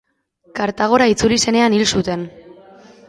Kartagora itzuli zenean hil zuten.